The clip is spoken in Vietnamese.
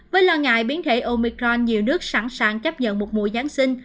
với lo ngại biến thể omicron nhiều nước sẵn sàng chấp nhận một mùa giáng sinh